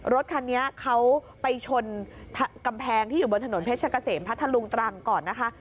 รถคันนี้เขาไปชนกำแพงที่อยู่บนถนนเพชรกะเสมพัทธลุงตรังก่อนนะคะ